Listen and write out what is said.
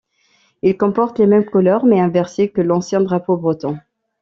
Il comporte les mêmes couleurs — mais inversées — que l'ancien drapeau breton.